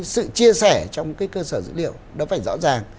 sự chia sẻ trong cơ sở dữ liệu nó phải rõ ràng